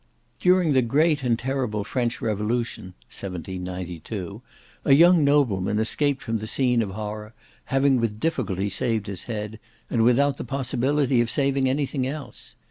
During the great and the terrible French revolution (1792), a young nobleman escaped from the scene of horror, having with difficulty saved his head, and without the possibility of saving any thing else.